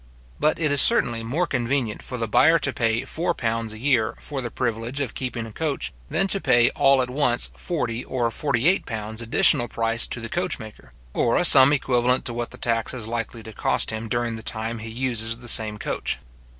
But it is certainly more convenient for the buyer to pay four pounds a year for the privilege of keeping a coach, than to pay all at once forty or forty eight pounds additional price to the coach maker; or a sum equivalent to what the tax is likely to cost him during the time he uses the same coach.